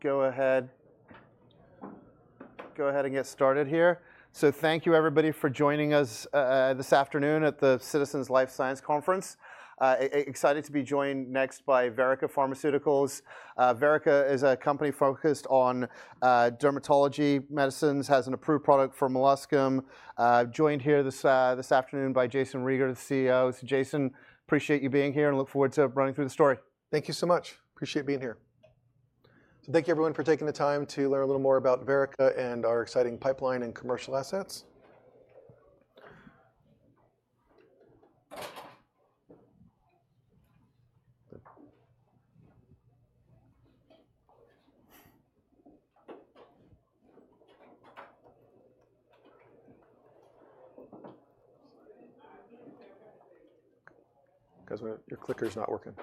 Go ahead. Go ahead and get started here. Thank you, everybody, for joining us this afternoon at the Citizens Life Science Conference. Excited to be joined next by Verrica Pharmaceuticals. Verrica is a company focused on dermatology medicines, has an approved product for molluscum, joined here this afternoon by Jayson Rieger, the CEO. Jayson, appreciate you being here and look forward to running through the story. Thank you so much. Appreciate being here. Thank you, everyone, for taking the time to learn a little more about Verrica and our exciting pipeline and commercial assets. Because your clicker is not working.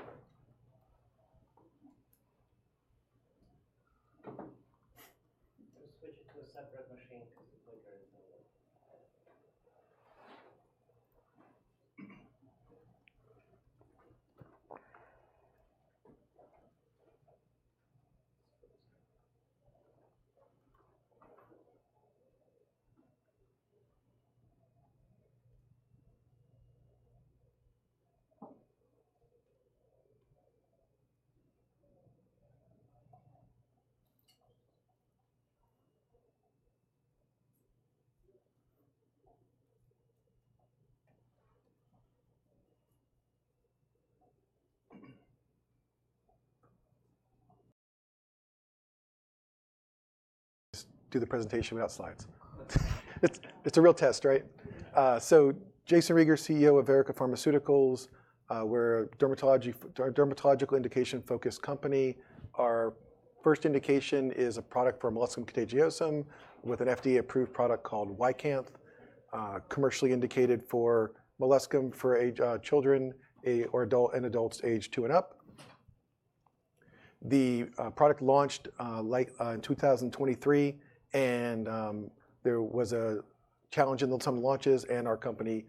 Do the presentation without slides. It's a real test, right? Jayson Rieger, CEO of Verrica Pharmaceuticals. We're a dermatological indication-focused company. Our first indication is a product for molluscum contagiosum with an FDA-approved product called YCANTH commercially indicated for molluscum for children or adults aged two and up. The product launched in 2023, and there was a challenge in those some launches, and our company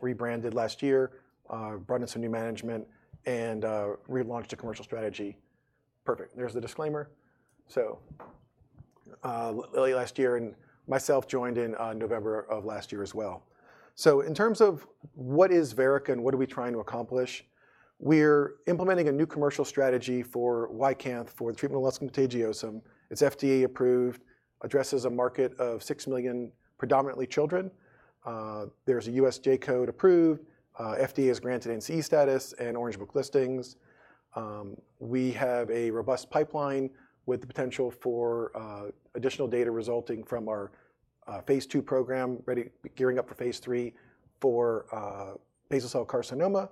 rebranded last year, brought in some new management, and relaunched a commercial strategy. Perfect. There's the disclaimer. Early last year, and myself joined in November of last year as well. In terms of what is Verrica and what are we trying to accomplish, we're implementing a new commercial strategy for YCANTH for the treatment of molluscum contagiosum. It's FDA-approved, addresses a market of 6 million, predominantly children. There's a U.S. J-code approved. FDA has granted NCE status and Orange Book listings. We have a robust pipeline with the potential for additional data resulting from our phase II program, gearing up for phase III for basal cell carcinoma,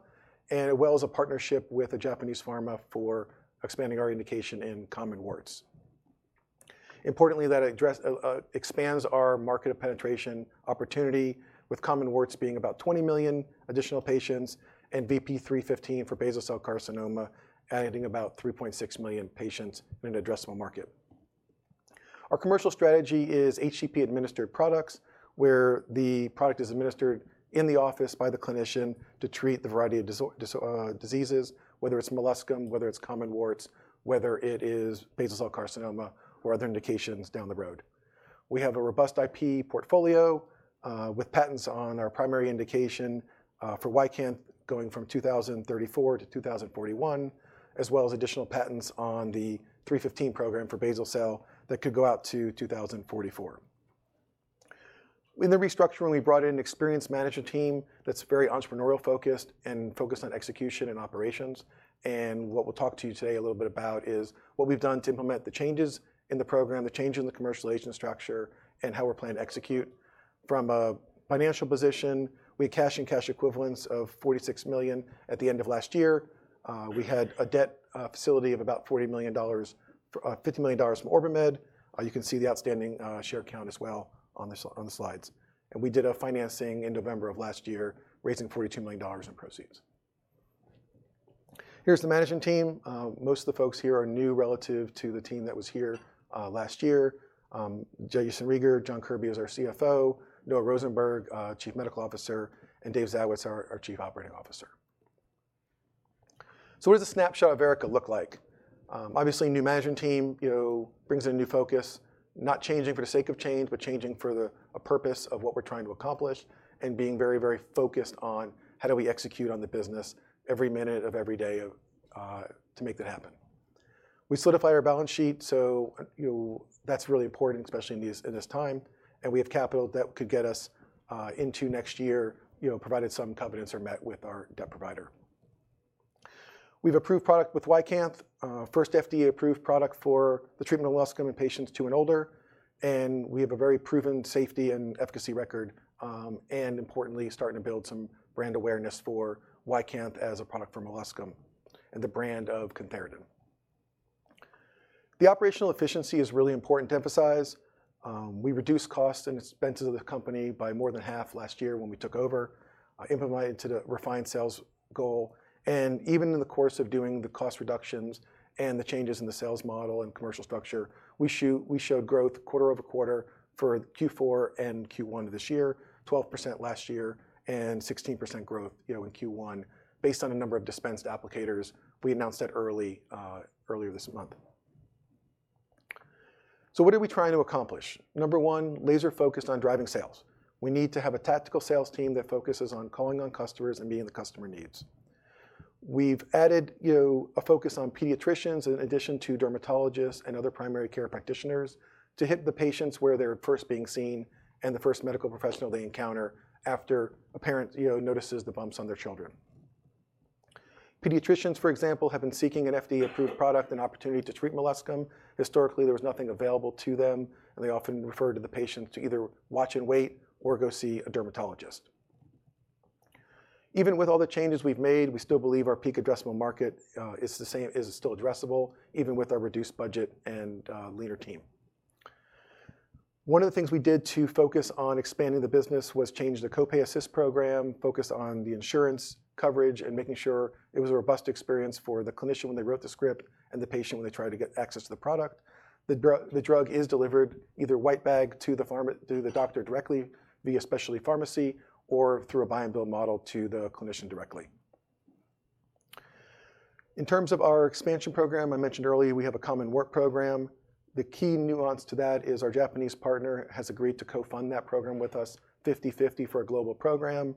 and as well as a partnership with a Japanese pharma for expanding our indication in common warts. Importantly, that expands our market penetration opportunity, with common warts being about 20 million additional patients and VP-315 for basal cell carcinoma, adding about 3.6 million patients in an addressable market. Our commercial strategy is HCP-administered products, where the product is administered in the office by the clinician to treat the variety of diseases, whether it's molluscum, whether it's common warts, whether it is basal cell carcinoma or other indications down the road. We have a robust IP portfolio with patents on our primary indication for YCANTH going from 2034 to 2041, as well as additional patents on the 315 program for basal cell that could go out to 2044. In the restructuring, we brought in an experienced management team that's very entrepreneurial-focused and focused on execution and operations. What we'll talk to you today a little bit about is what we've done to implement the changes in the program, the changes in the commercial agent structure, and how we're planned to execute. From a financial position, we had cash and cash equivalents of $46 million at the end of last year. We had a debt facility of about $50 million from OrbiMed. You can see the outstanding share count as well on the slides. We did a financing in November of last year, raising $42 million in proceeds. Here is the management team. Most of the folks here are new relative to the team that was here last year: Jayson Rieger, John Kirby as our CFO, Noah Rosenberg, Chief Medical Officer, and Dave Zawitz, our Chief Operating Officer. What does a snapshot of Verrica look like? Obviously, new management team brings in a new focus, not changing for the sake of change, but changing for the purpose of what we're trying to accomplish and being very, very focused on how do we execute on the business every minute of every day to make that happen. We solidify our balance sheet, so that's really important, especially in this time. We have capital that could get us into next year, provided some covenants are met with our debt provider. We have approved product with YCANTH, first FDA-approved product for the treatment of molluscum in patients two and older. We have a very proven safety and efficacy record and, importantly, starting to build some brand awareness for YCANTH as a product for molluscum and the brand of cantharidin. The operational efficiency is really important to emphasize. We reduced costs and expenses of the company by more than half last year when we took over, implemented to the refined sales goal. Even in the course of doing the cost reductions and the changes in the sales model and commercial structure, we showed growth quarter over quarter for Q4 and Q1 of this year, 12% last year and 16% growth in Q1 based on a number of dispensed applicators. We announced that earlier this month. What are we trying to accomplish? Number one, laser-focused on driving sales. We need to have a tactical sales team that focuses on calling on customers and meeting the customer needs. We have added a focus on pediatricians in addition to dermatologists and other primary care practitioners to hit the patients where they are first being seen and the first medical professional they encounter after a parent notices the bumps on their children. Pediatricians, for example, have been seeking an FDA-approved product and opportunity to treat molluscum. Historically, there was nothing available to them, and they often referred the patients to either watch and wait or go see a dermatologist. Even with all the changes we've made, we still believe our peak addressable market is still addressable, even with our reduced budget and leaner team. One of the things we did to focus on expanding the business was change the copay assist program, focus on the insurance coverage and making sure it was a robust experience for the clinician when they wrote the script and the patient when they tried to get access to the product. The drug is delivered either white bagging to the pharma, to the doctor directly via specialty pharmacy or through a buy-and-bill model to the clinician directly. In terms of our expansion program, I mentioned earlier we have a common warts program. The key nuance to that is our Japanese partner has agreed to co-fund that program with us 50/50 for a global program.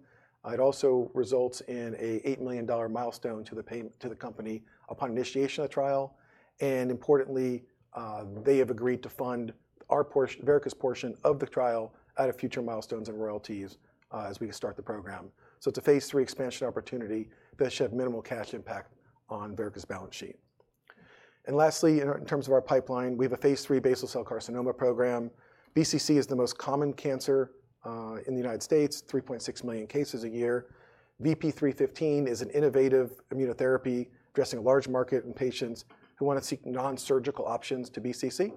It also results in an $8 million milestone to the company upon initiation of the trial. Importantly, they have agreed to fund Verrica's portion of the trial at future milestones and royalties as we start the program. It is a phase III expansion opportunity that should have minimal cash impact on Verrica's balance sheet. Lastly, in terms of our pipeline, we have a phase III basal cell carcinoma program. BCC is the most common cancer in the United States, 3.6 million cases a year. VP-315 is an innovative immunotherapy addressing a large market and patients who want to seek non-surgical options to BCC.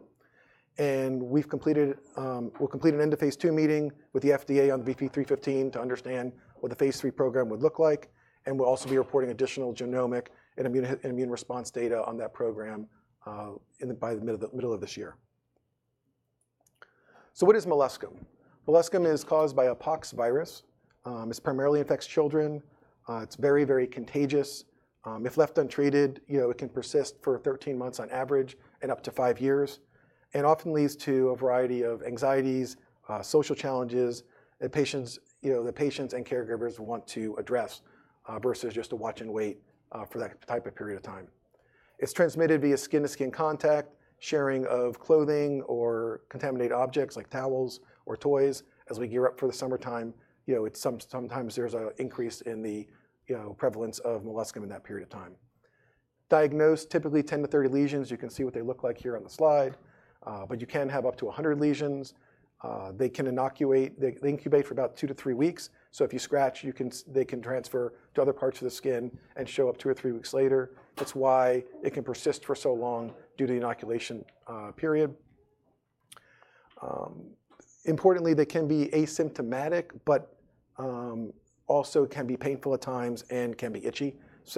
We'll complete an end of phase II meeting with the FDA on VP-315 to understand what the phase III program would look like. We'll also be reporting additional genomic and immune response data on that program by the middle of this year. What is molluscum? Molluscum is caused by a pox virus. It primarily infects children. It's very, very contagious. If left untreated, it can persist for 13 months on average and up to five years and often leads to a variety of anxieties, social challenges that patients and caregivers want to address versus just to watch and wait for that type of period of time. It's transmitted via skin-to-skin contact, sharing of clothing or contaminated objects like towels or toys. As we gear up for the summertime, sometimes there's an increase in the prevalence of molluscum in that period of time. Diagnosed, typically 10 lesions-30 lesions. You can see what they look like here on the slide, but you can have up to 100 lesions. They can inoculate. They incubate for about two to three weeks. If you scratch, they can transfer to other parts of the skin and show up two or three weeks later. That is why it can persist for so long due to the inoculation period. Importantly, they can be asymptomatic, but also can be painful at times and can be itchy. It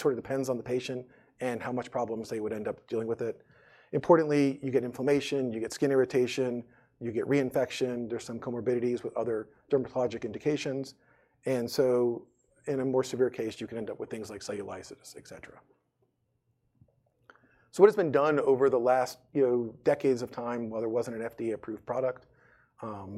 sort of depends on the patient and how much problems they would end up dealing with it. Importantly, you get inflammation, you get skin irritation, you get reinfection. There are some comorbidities with other dermatologic indications. In a more severe case, you can end up with things like cellulitis, et cetera. What has been done over the last decades of time, while there was not an FDA-approved product,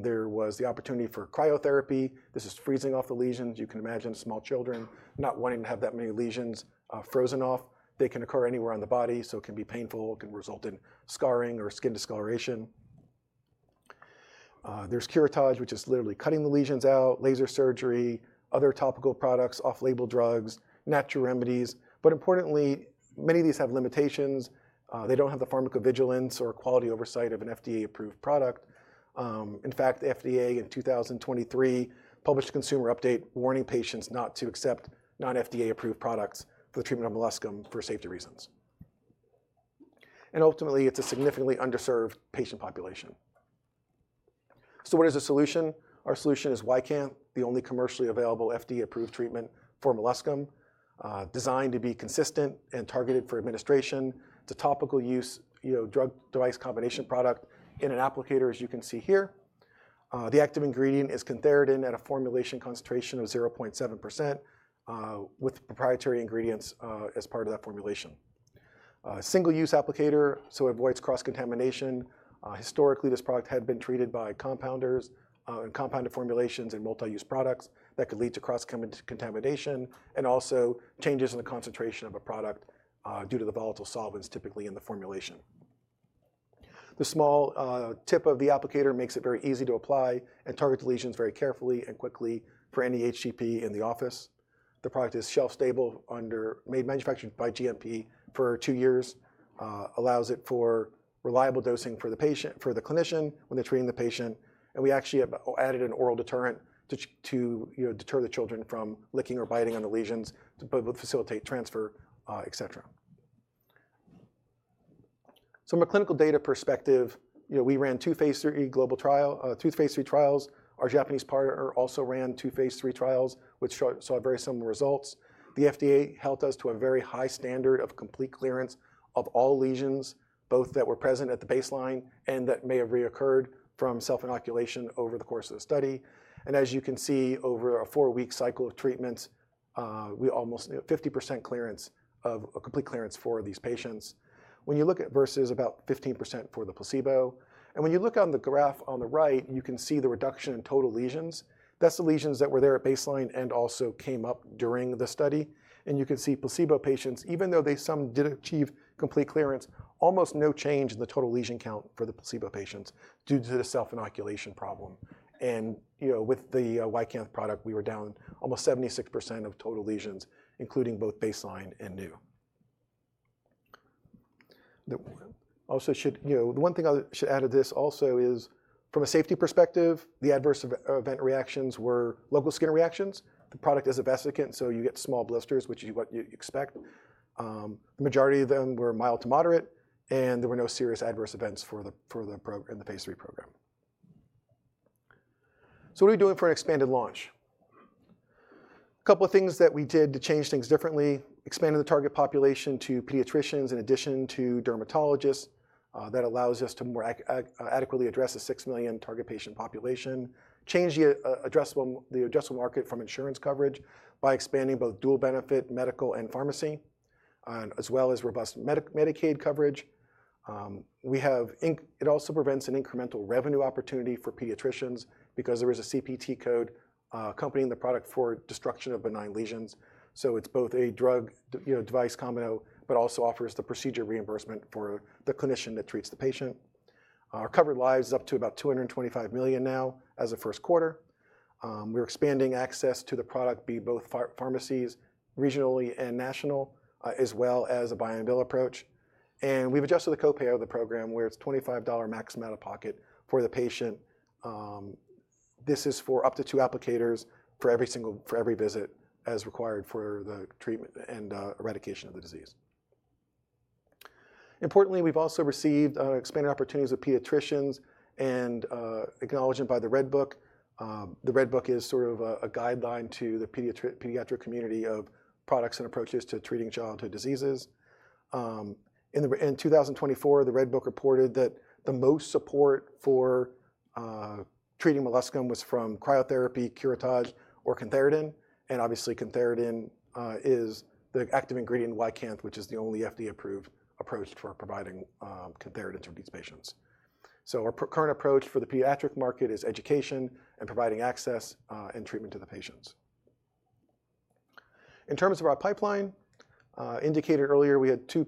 there was the opportunity for cryotherapy. This is freezing off the lesions. You can imagine small children not wanting to have that many lesions frozen off. They can occur anywhere on the body, so it can be painful. It can result in scarring or skin discoloration. There is curettage, which is literally cutting the lesions out, laser surgery, other topical products, off-label drugs, natural remedies. Importantly, many of these have limitations. They do not have the pharmacovigilance or quality oversight of an FDA-approved product. In fact, the FDA in 2023 published a consumer update warning patients not to accept non-FDA-approved products for the treatment of molluscum for safety reasons. Ultimately, it is a significantly underserved patient population. What is the solution? Our solution is YCANTH, the only commercially available FDA-approved treatment for molluscum designed to be consistent and targeted for administration. It's a topical use drug-device combination product in an applicator, as you can see here. The active ingredient is cantharidin at a formulation concentration of 0.7% with proprietary ingredients as part of that formulation. Single-use applicator, so it avoids cross-contamination. Historically, this product had been treated by compounders and compounded formulations and multi-use products that could lead to cross-contamination and also changes in the concentration of a product due to the volatile solvents typically in the formulation. The small tip of the applicator makes it very easy to apply and target the lesions very carefully and quickly for any HCP in the office. The product is shelf-stable under manufactured by GMP for two years, allows it for reliable dosing for the patient, for the clinician when they're treating the patient. We actually added an oral deterrent to deter the children from licking or biting on the lesions to facilitate transfer, et cetera. From a clinical data perspective, we ran two phase III global trials. Our Japanese partner also ran two phase III trials, which saw very similar results. The FDA held us to a very high standard of complete clearance of all lesions, both that were present at the baseline and that may have reoccurred from self-inoculation over the course of the study. As you can see, over a four-week cycle of treatments, we almost 50% clearance of complete clearance for these patients when you look at versus about 15% for the placebo. When you look on the graph on the right, you can see the reduction in total lesions. That is the lesions that were there at baseline and also came up during the study. You can see placebo patients, even though some did achieve complete clearance, almost no change in the total lesion count for the placebo patients due to the self-inoculation problem. With the YCANTH product, we were down almost 76% of total lesions, including both baseline and new. Also, the one thing I should add to this also is from a safety perspective, the adverse event reactions were local skin reactions. The product is a vesicant, so you get small blisters, which is what you expect. The majority of them were mild to moderate, and there were no serious adverse events for the phase III program. What are we doing for an expanded launch? A couple of things that we did to change things differently: expanded the target population to pediatricians in addition to dermatologists. That allows us to more adequately address a 6 million target patient population. Change the addressable market from insurance coverage by expanding both dual benefit medical and pharmacy, as well as robust Medicaid coverage. It also presents an incremental revenue opportunity for pediatricians because there is a CPT code accompanying the product for destruction of benign lesions. It is both a drug-device combination, but also offers the procedure reimbursement for the clinician that treats the patient. Our covered lives is up to about 225 million now as of first quarter. We are expanding access to the product by both pharmacies regionally and national, as well as a buy-and-bill approach. We have adjusted the copay of the program where it is $25 max out of pocket for the patient. This is for up to two applicators for every visit as required for the treatment and eradication of the disease. Importantly, we have also received expanded opportunities with pediatricians and acknowledgment by the Red Book. The Red Book is sort of a guideline to the pediatric community of products and approaches to treating childhood diseases. In 2024, the Red Book reported that the most support for treating molluscum was from cryotherapy, curettage, or cantharidin. Obviously, cantharidin is the active ingredient in YCANTH, which is the only FDA-approved approach for providing cantharidin to these patients. Our current approach for the pediatric market is education and providing access and treatment to the patients. In terms of our pipeline, as indicated earlier, we had two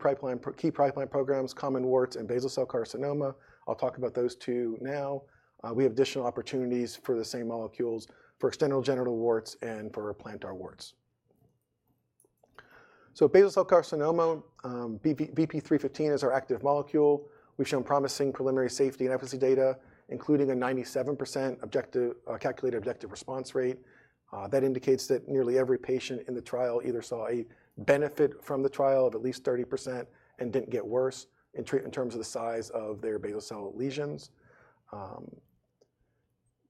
key pipeline programs, common warts and basal cell carcinoma. I'll talk about those two now. We have additional opportunities for the same molecules for external genital warts and for plantar warts. For basal cell carcinoma, VP-315 is our active molecule. We've shown promising preliminary safety and efficacy data, including a 97% calculated objective response rate. That indicates that nearly every patient in the trial either saw a benefit from the trial of at least 30% and did not get worse in terms of the size of their basal cell lesions.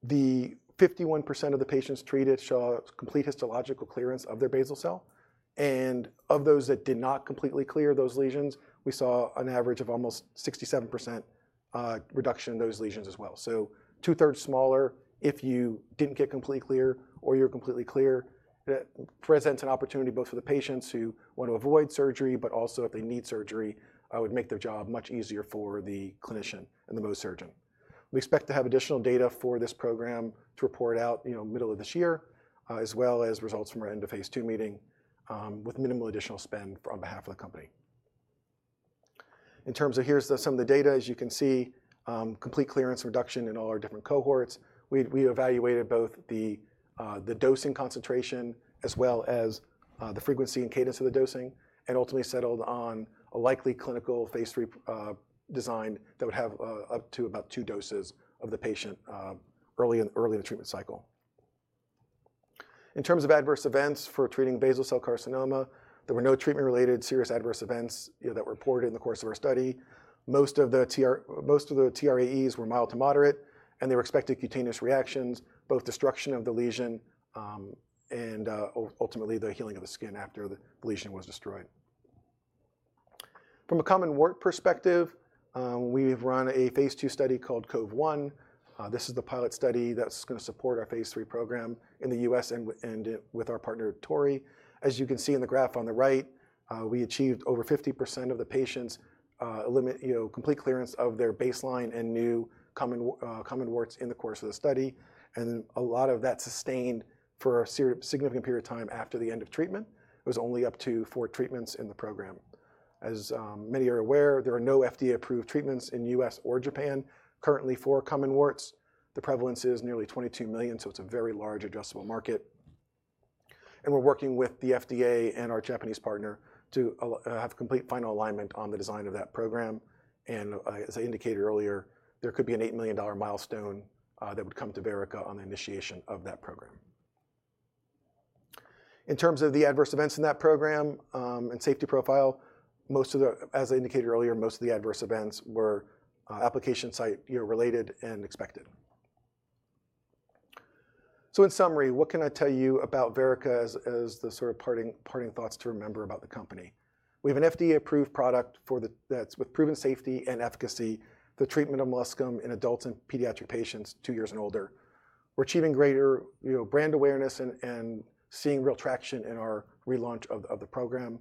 The 51% of the patients treated show complete histological clearance of their basal cell. And of those that did not completely clear those lesions, we saw an average of almost 67% reduction in those lesions as well. Two-thirds smaller if you did not get completely clear or you are completely clear. It presents an opportunity both for the patients who want to avoid surgery, but also if they need surgery, it would make their job much easier for the clinician and the Mohs surgeon. We expect to have additional data for this program to report out middle of this year, as well as results from our end of phase II meeting with minimal additional spend on behalf of the company. In terms of here's some of the data, as you can see, complete clearance reduction in all our different cohorts. We evaluated both the dosing concentration as well as the frequency and cadence of the dosing and ultimately settled on a likely clinical phase III design that would have up to about two doses of the patient early in the treatment cycle. In terms of adverse events for treating basal cell carcinoma, there were no treatment-related serious adverse events that were reported in the course of our study. Most of the TRAEs were mild to moderate, and they were expected cutaneous reactions, both destruction of the lesion and ultimately the healing of the skin after the lesion was destroyed. From a common warts perspective, we've run a phase II study called COVE-1. This is the pilot study that's going to support our phase III program in the U.S. and with our partner, Torii. As you can see in the graph on the right, we achieved over 50% of the patients complete clearance of their baseline and new common warts in the course of the study. A lot of that sustained for a significant period of time after the end of treatment. It was only up to four treatments in the program. As many are aware, there are no FDA-approved treatments in the U.S. or Japan currently for common warts. The prevalence is nearly 22 million, so it's a very large addressable market. We are working with the FDA and our Japanese partner to have complete final alignment on the design of that program. As I indicated earlier, there could be an $8 million milestone that would come to Verrica on the initiation of that program. In terms of the adverse events in that program and safety profile, as I indicated earlier, most of the adverse events were application site related and expected. In summary, what can I tell you about Verrica as the sort of parting thoughts to remember about the company? We have an FDA-approved product with proven safety and efficacy for the treatment of molluscum in adults and pediatric patients two years and older. We are achieving greater brand awareness and seeing real traction in our relaunch of the program.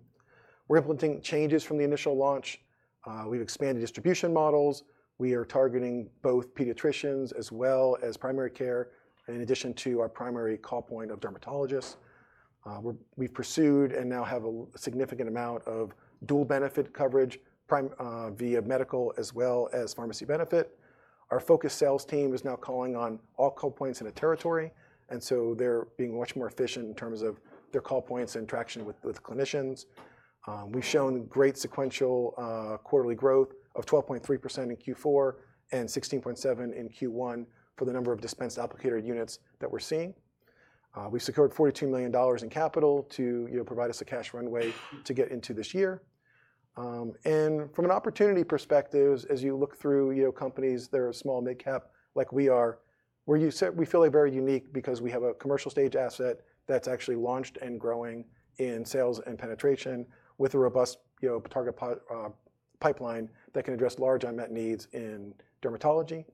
We're implementing changes from the initial launch. We've expanded distribution models. We are targeting both pediatricians as well as primary care in addition to our primary call point of dermatologists. We've pursued and now have a significant amount of dual benefit coverage via medical as well as pharmacy benefit. Our focus sales team is now calling on all call points in a territory. They're being much more efficient in terms of their call points and traction with clinicians. We've shown great sequential quarterly growth of 12.3% in Q4 and 16.7% in Q1 for the number of dispensed applicator units that we're seeing. We secured $42 million in capital to provide us a cash runway to get into this year. From an opportunity perspective, as you look through companies, they're small mid-cap like we are. We feel very unique because we have a commercial stage asset that's actually launched and growing in sales and penetration with a robust target pipeline that can address large unmet needs in dermatology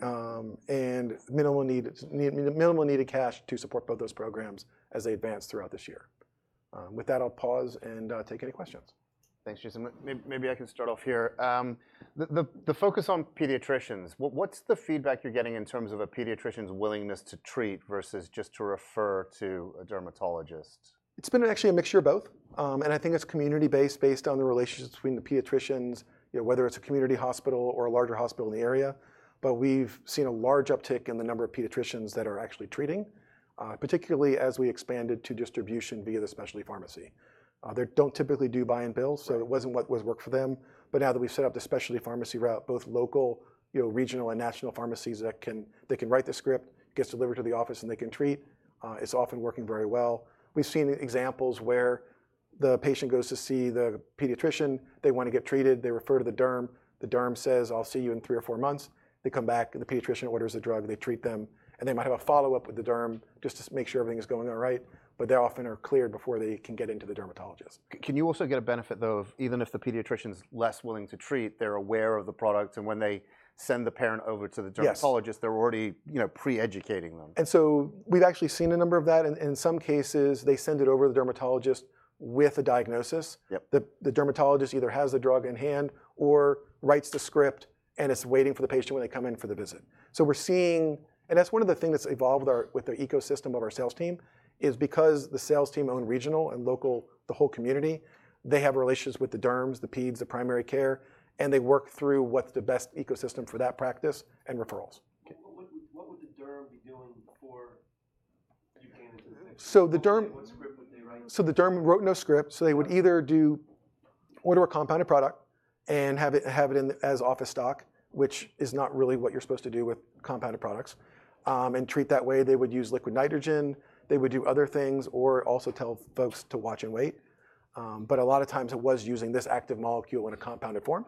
and minimal needed cash to support both those programs as they advance throughout this year. With that, I'll pause and take any questions. Thanks, Jayson. Maybe I can start off here. The focus on pediatricians, what's the feedback you're getting in terms of a pediatrician's willingness to treat versus just to refer to a dermatologist? It's been actually a mixture of both. I think it's community-based based on the relationships between the pediatricians, whether it's a community hospital or a larger hospital in the area. We've seen a large uptick in the number of pediatricians that are actually treating, particularly as we expanded to distribution via the specialty pharmacy. They don't typically do buy-and-bill, so it wasn't what worked for them. Now that we've set up the specialty pharmacy route, both local, regional, and national pharmacies that can write the script, get delivered to the office, and they can treat, it's often working very well. We've seen examples where the patient goes to see the pediatrician. They want to get treated. They refer to the derm. The derm says, "I'll see you in three or four months." They come back, and the pediatrician orders the drug. They treat them, and they might have a follow-up with the derm just to make sure everything is going all right. They often are cleared before they can get into the dermatologist. Can you also get a benefit, though, even if the pediatrician's less willing to treat, they're aware of the product, and when they send the parent over to the dermatologist, they're already pre-educating them? We've actually seen a number of that. In some cases, they send it over to the dermatologist with a diagnosis. The dermatologist either has the drug in hand or writes the script, and it's waiting for the patient when they come in for the visit. We're seeing, and that's one of the things that's evolved with the ecosystem of our sales team, is because the sales team own regional and local, the whole community, they have relations with the derms, the peds, the primary care, and they work through what's the best ecosystem for that practice and referrals. Okay. What would the derm be doing before you came into the picture? The derm wrote no script. They would either order a compounded product and have it as office stock, which is not really what you're supposed to do with compounded products, and treat that way. They would use liquid nitrogen. They would do other things or also tell folks to watch and wait. A lot of times, it was using this active molecule in a compounded form.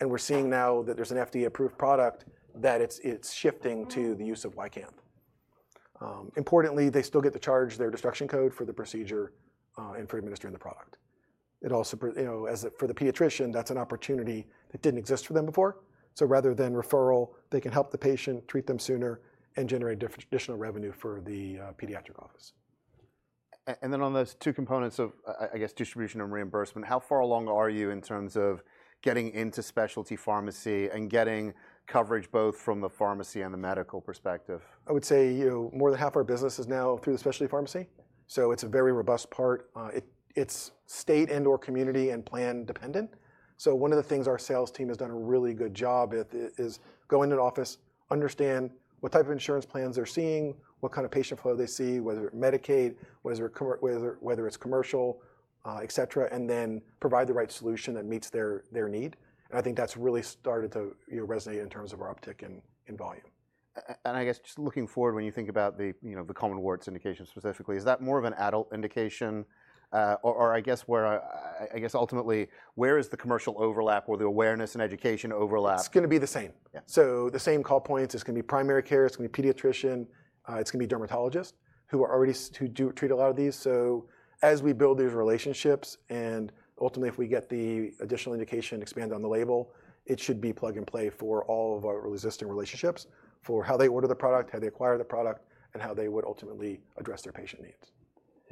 We're seeing now that there's an FDA-approved product and it's shifting to the use of YCANTH. Importantly, they still get to charge their destruction code for the procedure and for administering the product. For the pediatrician, that's an opportunity that didn't exist for them before. Rather than referral, they can help the patient, treat them sooner, and generate additional revenue for the pediatric office. On those two components of, I guess, distribution and reimbursement, how far along are you in terms of getting into specialty pharmacy and getting coverage both from the pharmacy and the medical perspective? I would say more than half our business is now through the specialty pharmacy. It is a very robust part. It is state and/or community and plan dependent. One of the things our sales team has done a really good job with is go into an office, understand what type of insurance plans they are seeing, what kind of patient flow they see, whether it is Medicaid, whether it is commercial, etc., and then provide the right solution that meets their need. I think that has really started to resonate in terms of our uptick in volume. I guess just looking forward, when you think about the common warts indication specifically, is that more of an adult indication? I guess ultimately, where is the commercial overlap or the awareness and education overlap? It's going to be the same. The same call points. It's going to be primary care. It's going to be pediatrician. It's going to be dermatologists who treat a lot of these. As we build these relationships, and ultimately, if we get the additional indication expanded on the label, it should be plug and play for all of our existing relationships for how they order the product, how they acquire the product, and how they would ultimately address their patient needs.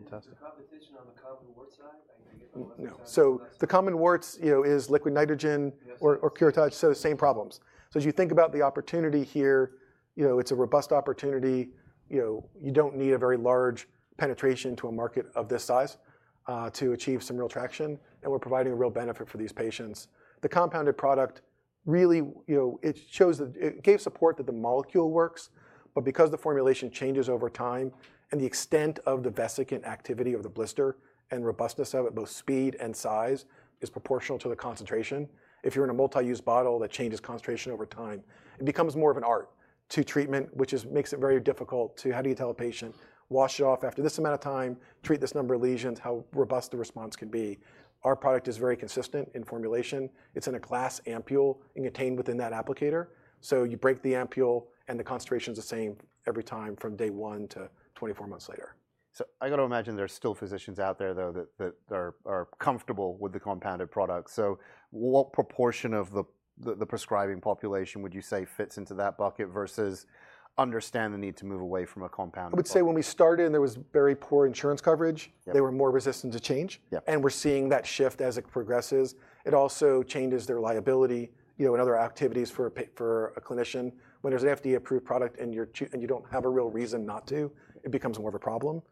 Fantastic. The competition on the common warts side, I guess I wasn't exactly. No. Common warts is liquid nitrogen or curettage, so same problems. As you think about the opportunity here, it's a robust opportunity. You don't need a very large penetration to a market of this size to achieve some real traction. We're providing a real benefit for these patients. The compounded product really gave support that the molecule works. Because the formulation changes over time and the extent of the vesicant activity of the blister and robustness of it, both speed and size is proportional to the concentration. If you're in a multi-use bottle that changes concentration over time, it becomes more of an art to treatment, which makes it very difficult to, how do you tell a patient, wash it off after this amount of time, treat this number of lesions, how robust the response can be? Our product is very consistent in formulation. It's in a glass ampule and contained within that applicator. You break the ampule, and the concentration is the same every time from day one to 24 months later. I got to imagine there are still physicians out there, though, that are comfortable with the compounded product. What proportion of the prescribing population would you say fits into that bucket versus understand the need to move away from a compounded product? I would say when we started, there was very poor insurance coverage. They were more resistant to change. We're seeing that shift as it progresses. It also changes their liability and other activities for a clinician. When there's an FDA-approved product and you do not have a real reason not to, it becomes more of a problem.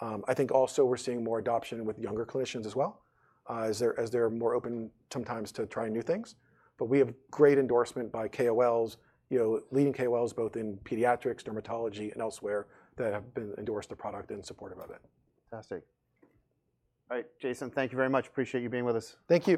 I think also we're seeing more adoption with younger clinicians as well, as they're more open sometimes to trying new things. We have great endorsement by leading KOLs both in pediatrics, dermatology, and elsewhere that have endorsed the product and supported it. Fantastic. All right, Jayson, thank you very much. Appreciate you being with us. Thank you.